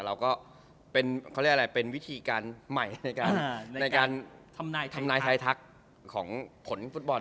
เราก็เป็นวิธีใหม่ในการทำนายไททักของผลฟุตบอล